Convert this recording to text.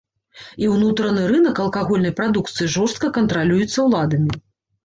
І ўнутраны рынак алкагольнай прадукцыі жорстка кантралюецца ўладамі.